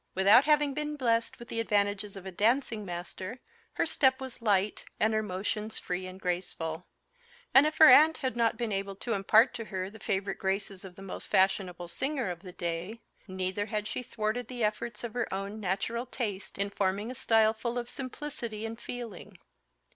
Without having been blessed with the advantages of a dancing master, her step was light, and her motions free and graceful; and if her aunt had not been able to impart to her the favourite graces of the most fashionable singer of the day, neither had she thwarted the efforts of her own natural taste in forming a style full of simplicity and feeling.